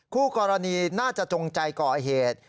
คู่กรณีน่าจะจงใจก่อเหตุ